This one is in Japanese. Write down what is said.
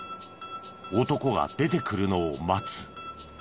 男が出てくるのを待つ。